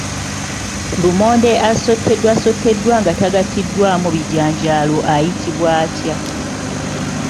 Lumonde asotteddwasoteddwa nga tatabuddwamu bijanjaalo ayitibwa atya?